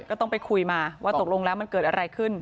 ก็ต้องไปคุยมาว่าตกลงแล้วมันเกิดอะไรขึ้น